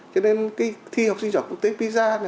cho nên cái thi học sinh trò quốc tế pisa này